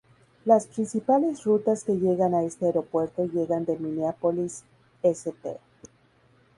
Las principales rutas que llegan a este aeropuerto llegan de Minneapolis-St.